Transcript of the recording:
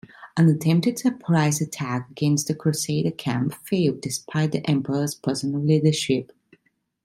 An attempted surprise attack against the crusader camp failed despite the Emperor's personal leadership.